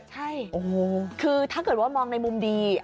ใช่คือถ้าเกิดว่ามองในมุมดี